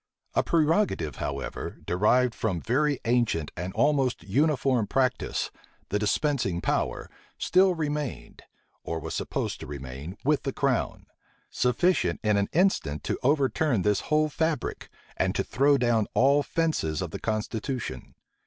A prerogative, however, derived from very ancient and almost uniform practice, the dispensing power, still remained, or was supposed to remain, with the crown; sufficient in an instant to overturn this whole fabric, and to throw down all fences of the constitution.